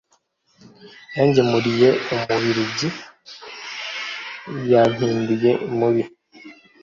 Yangemuriye Umubiligi yampinduye mubi